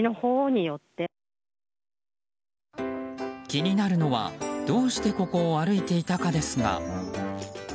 気になるのは、どうしてここを歩いていたかですが。